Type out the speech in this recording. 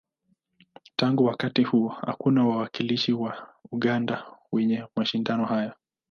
Tangu wakati huo, hakuna wawakilishi wa Uganda kwenye mashindano haya.